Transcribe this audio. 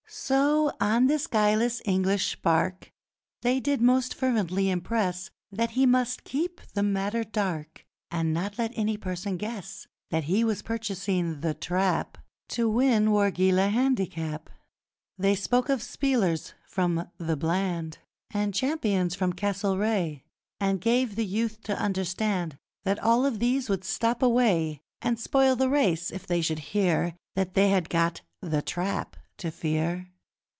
So, on this guileless English spark They did most fervently impress That he must keep the matter dark, And not let any person guess That he was purchasing The Trap To win Wargeilah Handicap. They spoke of 'spielers from The Bland', And 'champions from the Castlereagh', And gave the youth to understand That all of these would stop away, And spoil the race, if they should hear That they had got The Trap to fear.